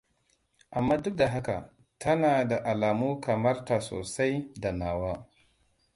amma duk da haka tana da alamu kamarta sosai danawa